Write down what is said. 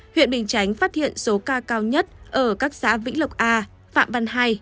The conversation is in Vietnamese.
huyện bình chánh phát hiện số ca cao nhất ở các xã vĩnh lộc a phạm văn hai